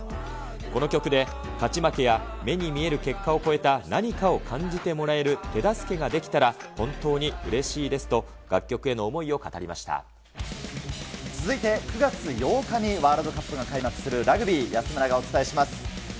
この曲で勝ち負けや、目に見える結果を超えた何かを感じてもらえる手助けができたら本当にうれしいですと、続いて９月８日にワールドカップが開幕するラグビー、安村がお伝えします。